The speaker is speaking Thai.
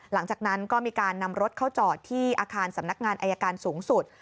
หลังจากนั้นก็มีการนำรถเข้าจอดที่อาคารสำนักงานอายการสูงสุด